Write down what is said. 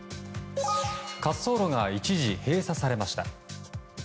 滑走路が一時閉鎖されました。